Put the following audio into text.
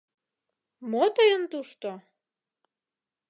— Мо тыйын тушто?